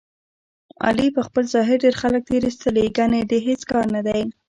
علي په خپل ظاهر ډېر خلک تېر ایستلي، ګني د هېڅ کار نه دی.